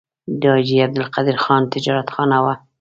د حاجي عبدالقدیر خان تجارتخانه وه.